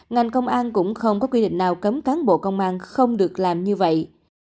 ngành công an cũng không có quy định nào cấm cán bộ công an không được làm như vậy